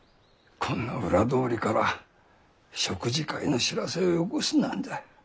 こんな裏通りから食事会の知らせをよこすなんざ。